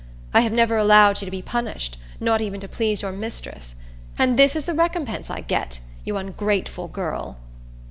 I have never allowed you to be punished, not even to please your mistress. And this is the recompense I get, you ungrateful girl!"